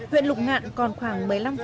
huyện lục ngạn còn khoảng một mươi năm